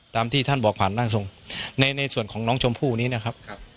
ตามที่ท่านบอกผ่านร่างทรงในในส่วนของน้องชมพู่นี้นะครับ